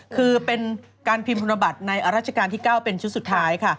คือเป็นการพิมพ์ธนบัตรในราชการที่๙เป็นชุดสุดท้ายค่ะ